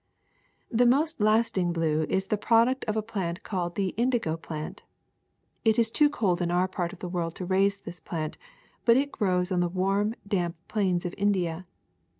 ''The most lasting blue is the product of a plant called the indigo plant. It is too cold in our part of the world to raise this plant, but it grows on the warm, damp plains of India.